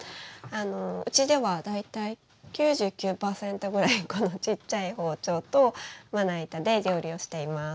うちでは大体９９％ぐらいこのちっちゃい包丁とまな板で料理をしています。